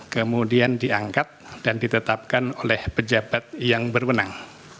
kemudian diangkat dan ditetapkan oleh pejabat yang berwenang